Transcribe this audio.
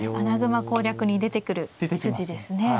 穴熊攻略に出てくる筋ですね。